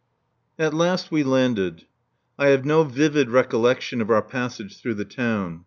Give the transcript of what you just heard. At last we landed. I have no vivid recollection of our passage through the town.